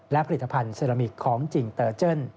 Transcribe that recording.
และผลิตภัณฑ์เซรามิกของจริงเตอร์เจิ้น